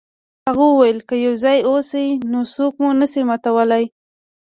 هغه وویل که یو ځای اوسئ نو څوک مو نشي ماتولی.